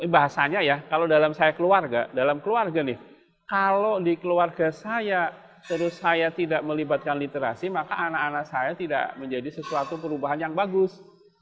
bahasanya ya kalau dalam saya keluarga dalam keluarga nih kalau di keluarga saya terus saya tidak melibatkan literasi maka anak anak saya tidak menjadi sesuatu perubahan yang bagus